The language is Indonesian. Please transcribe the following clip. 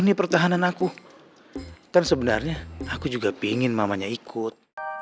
ini pertahanan aku kan sebenarnya aku juga pingin mamanya ikut